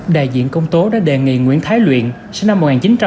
đại diện công tố đã đề nghị nguyễn thái luyện sinh năm một nghìn chín trăm tám mươi